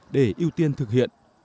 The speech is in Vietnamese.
để ưu tiên thực hiện